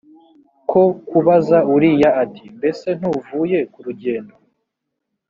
ko kubaza uriya ati mbese ntuvuye ku rugendo